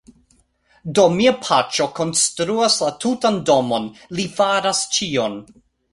Do, mia paĉjo konstruas la tutan domon, li faras ĉion